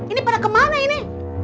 ini pada kemana ini